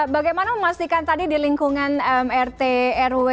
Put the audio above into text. bagaimana memastikan tadi di lingkungan rt rw